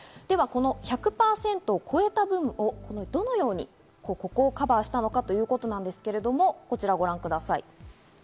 では１００％を超えた分をどのようにカバーしたのかということなんですけれども、こちらをご覧ください。